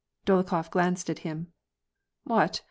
Dolokhof glanced at him. " What